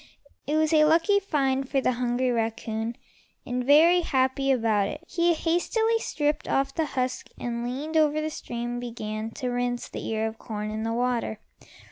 It was a lucky find for the hungry raccoon, and, very happy about it, he hastily stripped off the husk and leaning over the stream began to rinse the ear of corn in the water.